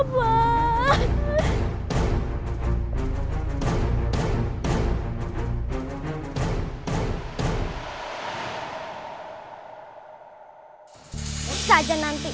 cukup kasian nanti tante turunin